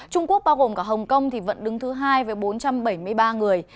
trung quốc bao gồm cả hồng kông vẫn đứng thứ hai với bốn trăm bảy mươi ba người